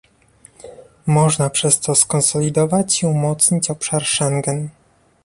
Można przez to skonsolidować i umocnić obszar Schengen